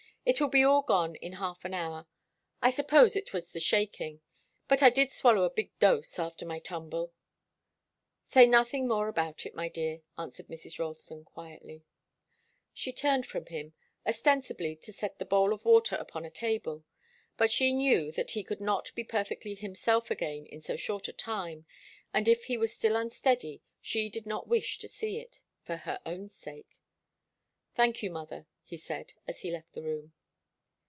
It will be all gone in half an hour. I suppose it was the shaking, but I did swallow a big dose after my tumble." "Say nothing more about it, my dear," answered Mrs. Ralston, quietly. She turned from him, ostensibly to set the bowl of water upon a table. But she knew that he could not be perfectly himself again in so short a time, and if he was still unsteady, she did not wish to see it for her own sake. "Thank you, mother," he said, as he left the room.